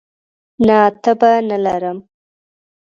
نه، تبه نه لرم